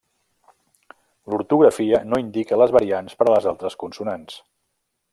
L'ortografia no indica les variants per a les altres consonants.